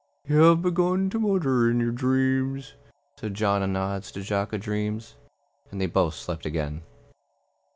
"You have begun To mutter in your dreams," Said John a nods to Jock a dreams, And they both slept again.